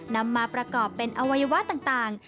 นำมาประกอบเป็นอวัยวะต่าง